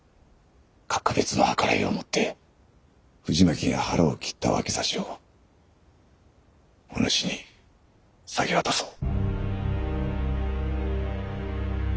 格別の計らいをもって藤巻が腹を切った脇差しをお主に下げ渡そう。